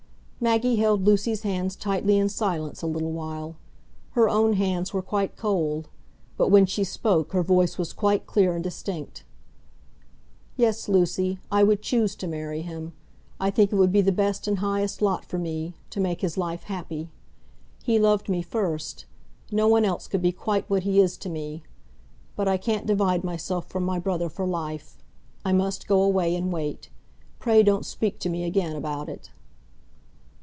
Maggie held Lucy's hands tightly in silence a little while. Her own hands were quite cold. But when she spoke, her voice was quite clear and distinct. "Yes, Lucy, I would choose to marry him. I think it would be the best and highest lot for me,—to make his life happy. He loved me first. No one else could be quite what he is to me. But I can't divide myself from my brother for life. I must go away, and wait. Pray don't speak to me again about it."